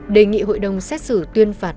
đề nghị hội đồng xét xử tuyên phạt